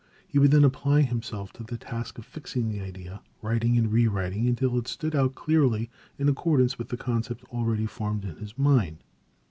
He would then apply himself to the task of fixing the idea, writing and rewriting, until it stood out clearly in accordance with the concept already formed in his mind.